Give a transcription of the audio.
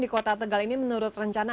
di kota tegal ini menurut rencana